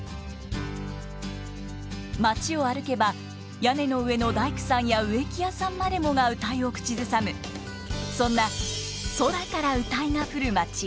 町を歩けば屋根の上の大工さんや植木屋さんまでもが謡を口ずさむそんな空から謡が降るまち。